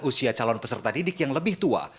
usia calon peserta didik yang lebih tua